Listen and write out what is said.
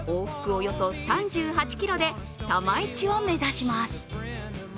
およそ３８ｋｍでタマイチを目指します。